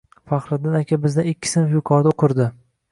Faxriddin aka bizdan ikki sinf yuqorida o'qirdi